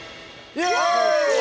イエーイ！